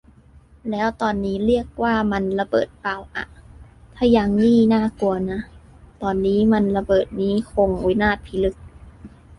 แล้วตอนนี้เรียกว่ามันระเบิดป่าวอ่ะ ถ้ายังนี่น่ากลัวนะ ตอนมันระเบิดนี้คงวินาศพิลึก